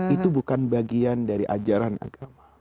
itu bukan bagian dari ajaran agama